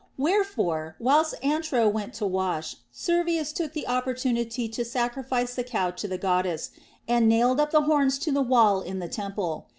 Wherefore, whilst Antro went to wash, Servius took the opportunity to sacrifice the cow to the Goddess, and nailed up the horns to the wall in the temple.